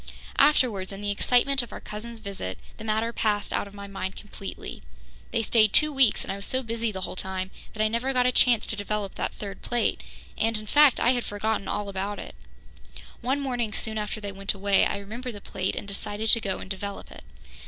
Afterwards, in the excitement of our cousins' visit, the matter passed out of my mind completely. They stayed two weeks, and I was so busy the whole time that I never got a chance to develop that third plate and, in fact, I had forgotten all about it. One morning soon after they went away, I remembered the plate and decided to go and develop it.